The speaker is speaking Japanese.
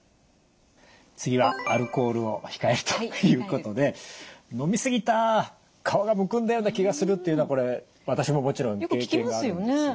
次はアルコールを控えるということで飲み過ぎた顔がむくんだような気がするというのはこれ私ももちろん経験があるんですが。